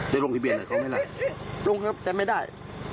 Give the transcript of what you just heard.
จะโรงพิเภียรห่ะเขาไม่ไหล